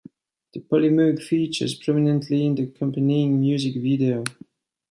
The Polymoog features prominently in the accompanying music video.